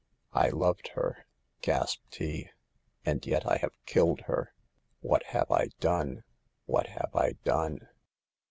" I loved her," gasped he, " and yet I have killed her. What have I done ? What have I done?"